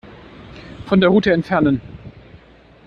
Von der Route entfernen.